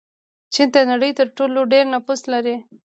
چین د نړۍ تر ټولو ډېر نفوس لري.